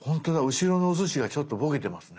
後ろのおすしがちょっとボケてますね。